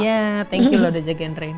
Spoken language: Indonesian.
ya thank you loh udah jagain reina